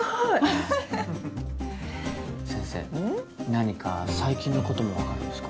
何か最近のこともわかるんですか？